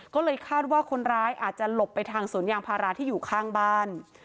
ก็เลยคาดว่าคนร้ายอาจจะหลบไปทางสวนยางพาราที่อยู่ข้างบ้าน